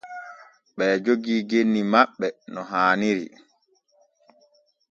Ɓee jogii genni maɓɓe no haaniri.